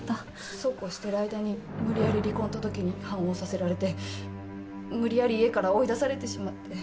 そうこうしてる間に無理やり離婚届に判をおさせられて無理やり家から追い出されてしまって。